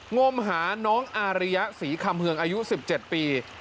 งมหาน้องอาริยะศรีคำเฮืองอายุ๑๗ปี